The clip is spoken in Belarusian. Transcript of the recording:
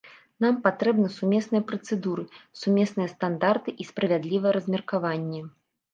Нам патрэбны сумесныя працэдуры, сумесныя стандарты і справядлівае размеркаванне.